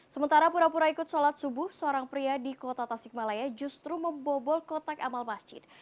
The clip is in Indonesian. sementara pura pura ikut sholat subuh seorang pria di kota tasikmalaya justru membobol kotak amal masjid